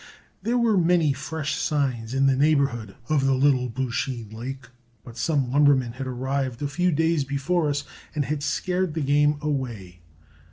There were many fresh signs in the neighborhood of the Little Beauchene Lake, but some lumbermen had arrived a few days before us and had scared the game away.